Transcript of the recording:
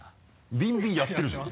「ビンビン」やってるじゃん。